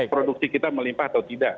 produksi kita melimpah atau tidak